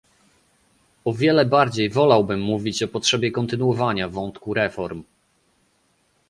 O wiele bardziej wolałbym mówić o potrzebie kontynuowania wątku reform